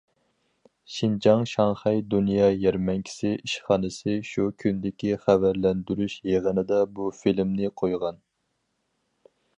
شىنجاڭ شاڭخەي دۇنيا يەرمەنكىسى ئىشخانىسى شۇ كۈندىكى خەۋەرلەندۈرۈش يىغىنىدا بۇ فىلىمنى قويغان.